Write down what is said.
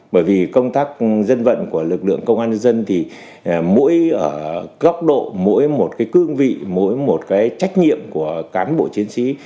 bởi vì công tác dân vận của lực lượng công an nhân dân thì mỗi ở cấp độ mỗi một cái cương vị mỗi một cái trách nhiệm của cán bộ chiến sĩ